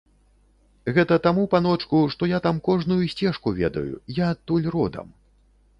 Гэта таму, паночку, што я там кожную сцежку ведаю, я адтуль родам.